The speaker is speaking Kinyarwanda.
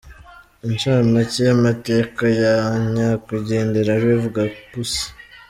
Incamake y’amateka ya nyakwigendera Rev Gapusi.